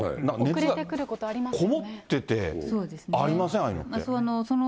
遅れてくることありますね。